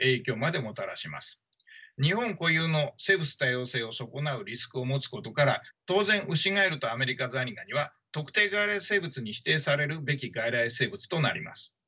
日本固有の生物多様性を損なうリスクを持つことから当然ウシガエルとアメリカザリガニは特定外来生物に指定されるべき外来生物となります。